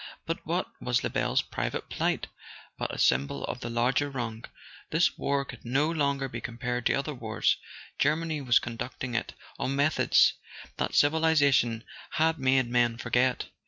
But what was Lebel's private plight but a symbol of the larger wrong ? This war could no longer be compared to other wars: Germany was conducting it on methods that civiliza¬ tion had made men forget.